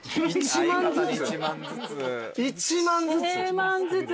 １万ずつ？